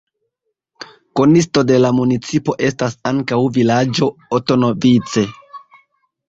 Konisto de la municipo estas ankaŭ vilaĝo Otonovice.